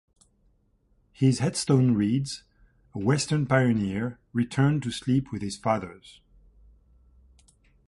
His headstone reads: A Western Pioneer, Returned to Sleep with his Fathers.